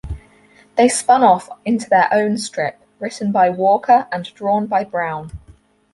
They spun off into their own strip, written by Walker and drawn by Browne.